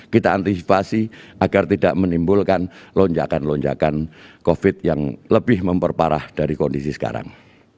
kita antisipasi agar tidak menimbulkan lonjakan lonjakan covid yang lebih memperparah dari kondisi sekarang